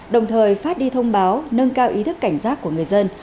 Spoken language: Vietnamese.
đồng thời phát đi thông báo nâng cao ý thức cảnh giác của người dân